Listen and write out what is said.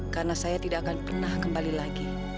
karena saya tidak akan pernah kembali lagi